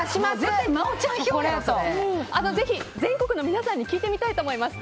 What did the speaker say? ぜひ全国の皆さんに聞いてみたいと思います。